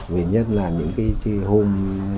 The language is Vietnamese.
vì nhất là những cái hôm